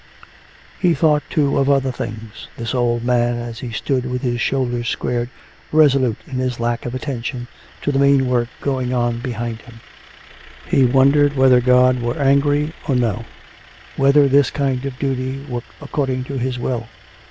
He thought, too, of other things, this old man, as he stood, with his shoulders squared, resolute in his lack of attention to the mean work going on behind him. ... He 426 COME RACK! COME ROPE! wondered whether God were angry or no. Whether this kind of duty were according to His will.